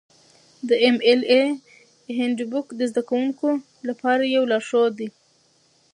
د ایم ایل اې هینډبوک د زده کوونکو لپاره یو لارښود دی.